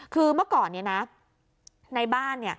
คือเมื่อก่อนในบ้าน